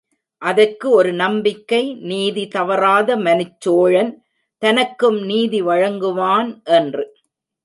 அதற்கு ஒரு நம்பிக்கை, நீதி தவறாத மனுச்சோழன் தனக்கும் நீதி வழங்குவான் என்று.